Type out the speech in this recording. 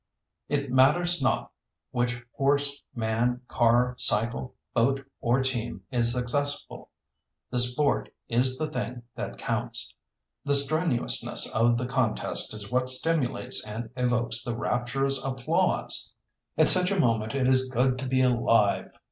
It matters not which horse, man, car, cycle, boat, or team is successful: the sport is the thing that counts; the strenuousness of the contest is what stimulates and evokes the rapturous applause. At such a moment it is good to be alive.